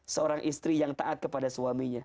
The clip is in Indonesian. seorang istri yang taat kepada suaminya